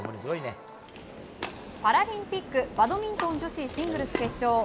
パラリンピックバドミントン女子シングルス決勝。